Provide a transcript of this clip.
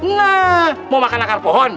nah mau makan akar pohon